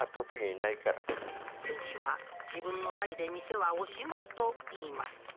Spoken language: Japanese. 店主は自分の代で店はおしまいといいます。